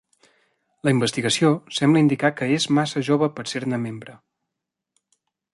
La investigació sembla indicar que és massa jove per ser-ne membre.